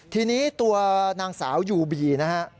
ทีนี้ตัวนางสาวยูบีนะฮะ